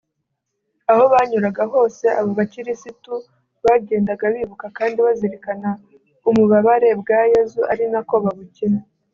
Aho banyuraga hose abo bakirisitu bagendaga bibuka kandi bazirikana umubabare bwa Yezu ari nako babukina